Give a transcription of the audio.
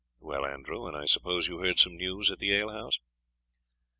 "Well, Andrew, and I suppose you heard some news at the alehouse?"